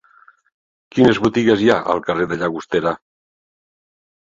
Quines botigues hi ha al carrer de Llagostera?